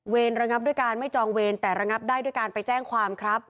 ระงับด้วยการไม่จองเวรแต่ระงับได้ด้วยการไปแจ้งความครับ